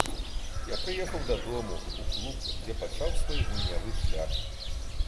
Я прыехаў дадому, у клуб, дзе пачаў свой гульнявы шлях.